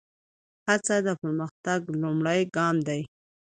هڅه د پرمختګ لومړی ګام دی.